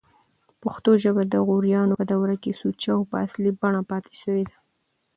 پښتو ژبه دغوریانو په دوره کښي سوچه او په اصلي بڼه پاته سوې ده.